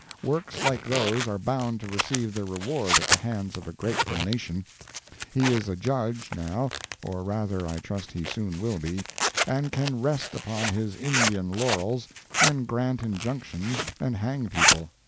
Works like those are bound to receive their reward at the hands of a grateful nation. He is a Judge, now (or rather, I trust he soon will be), and can rest upon his Indian laurels, and grant injunctions and hang people.